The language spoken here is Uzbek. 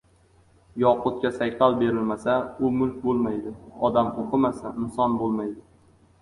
• Yoqutga sayqal berilmasa — u mulk bo‘lmaydi, odam o‘qimasa — inson bo‘lmaydi.